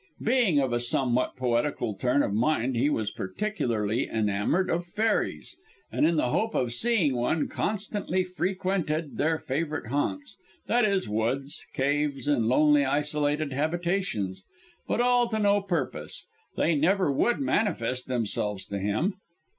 Being of a somewhat poetical turn of mind he was particularly enamoured of fairies, and in the hope of seeing one, constantly frequented their favourite haunts, i.e. woods, caves, and lonely isolated habitations. But all to no purpose they never would manifest themselves to him.